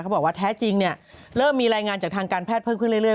บอกว่าแท้จริงเนี่ยเริ่มมีรายงานจากทางการแพทย์เพิ่มขึ้นเรื่อย